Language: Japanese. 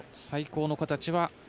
最高の形は。